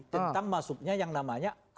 tentang masuknya yang namanya